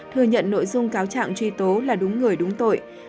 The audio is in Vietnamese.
thừa nhận nội dung cáo trạng truy tố là đúng người đúng tội